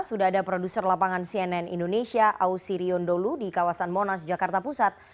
sudah ada produser lapangan cnn indonesia ausirion dholu di kawasan monas jakarta pusat